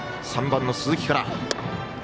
３番の鈴木から。